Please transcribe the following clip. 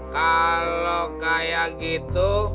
kalau kayak gitu